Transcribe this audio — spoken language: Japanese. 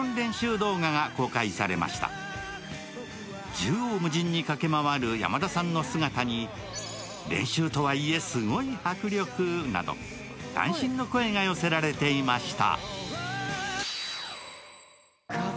縦横無尽に駆け回る山田さんの姿に練習といえすごい迫力など感心の声が寄せられていました。